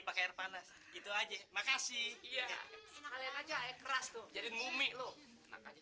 pakai air panas gitu aja makasih ya kalian aja air keras tuh jadi ngumi lu enak banget